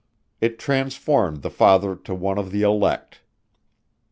It transformed the father to one of the elect.